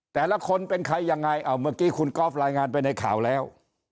แต่ละคนเป็นใครยังไงเอาเมื่อกี้คุณกอล์ฟรายงานไปในข่าวแล้ว